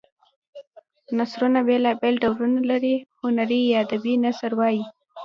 نثرونه بېلا بېل ډولونه لري هنري یا ادبي نثر وايي.